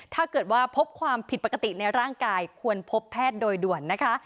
ถ้าเกิดว่าพบความผิดปกติในร่างกายควรพบแพทย์โดยด่วนนะคะ